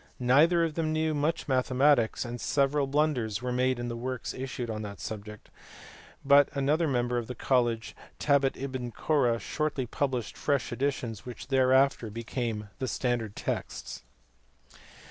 Neither of them knew much mathematics, and several blunders were made in the works issued on that subject, but another member of the college, Tabit ibn Korra, shortly published fresh editions which thereafter became the standard texts. 152 THE MATHEMATICS OF THE AKABS.